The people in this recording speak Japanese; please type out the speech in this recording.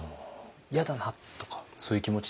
嫌だなとかそういう気持ちって実際。